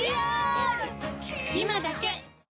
今だけ！